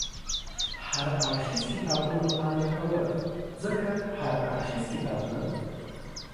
هر اړخیز کتابونه مطالعه کوه، ځکه هر اړخیز کتابونه